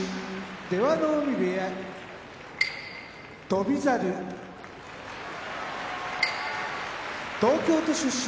出羽海部屋翔猿東京都出身